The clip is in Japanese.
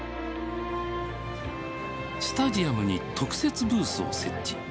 スタジアムに特設ブースを設置。